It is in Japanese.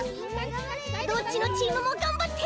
どっちのチームもがんばって！